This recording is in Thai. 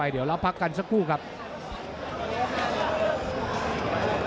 หรือว่าผู้สุดท้ายมีสิงคลอยวิทยาหมูสะพานใหม่